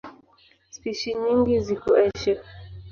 Spishi nyingi ziko Asia.